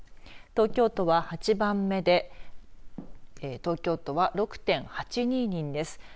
東京都は８番目で東京都は６．８２人です。